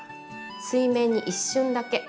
水面に一瞬だけ。